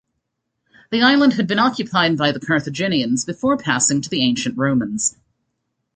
The island had been occupied by the Carthaginians before passing to the ancient Romans.